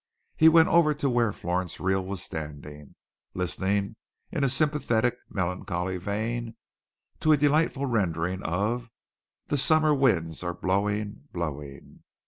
He went over to where Florence Reel was standing, listening in a sympathetic melancholy vein to a delightful rendering of "The Summer Winds Are Blowing, Blowing."